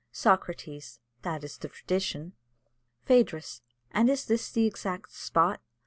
"Socrates. That is the tradition. "Phædrus. And is this the exact spot?